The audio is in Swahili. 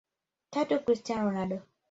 Tatu Christiano Ronaldo